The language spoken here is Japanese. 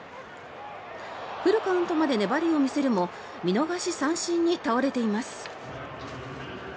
フルカウントまで粘りを見せるも見逃し三振に倒れています。